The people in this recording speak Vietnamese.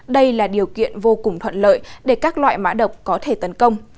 đây là điều kiện vô cùng thuận lợi để các loại mã độc có thể tấn công